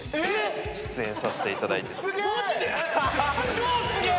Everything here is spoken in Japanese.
超すげえ。